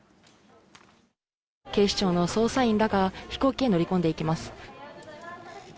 警視庁の捜査員らが飛行機に乗り込んでいきます。